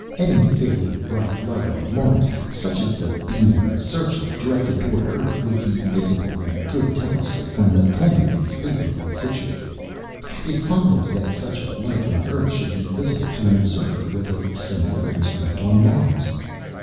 Any fairly bright light on Mars such as the beam of a searchlight directed toward earth would be visible in a good telescope, when the planet is favorably situated: it follows that such a light on earth should be visible to an observer with a similar instrument on Mars.